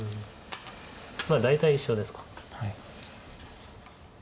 まあ大体一緒ですか。